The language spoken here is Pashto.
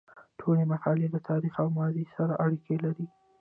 ټولې مقالې له تاریخ او ماضي سره اړیکه لري.